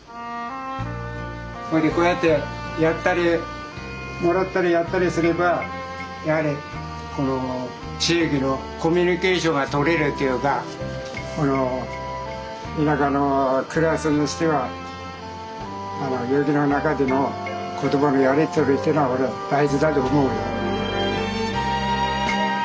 ほいでこうやってやったりもらったりやったりすればやはりこの地域のコミュニケーションが取れるっていうかこの田舎の暮らしにしては雪の中での言葉のやり取りっていうのは俺は大事だと思うよ。